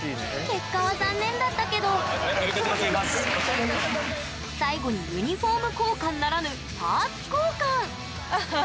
結果は残念だったけど最後にユニフォーム交換ならぬパーツ交換